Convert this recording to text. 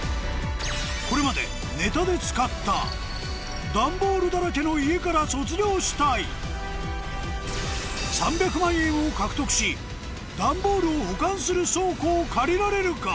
これまでだらけの家から卒業したい３００万円を獲得し段ボールを保管する倉庫を借りられるか？